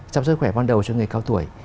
chăm sóc sức khỏe ban đầu cho người cao tuổi